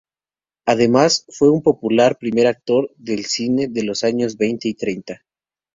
Además, fue un popular primer actor del cine de los años veinte y treinta.